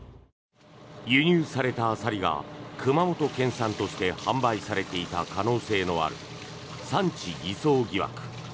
輸入されたアサリが熊本県産として販売されていた可能性のある産地偽装疑惑。